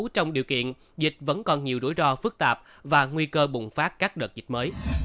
trong điều kiện dịch vẫn còn nhiều rủi ro phức tạp và nguy cơ bùng phát các đợt dịch mới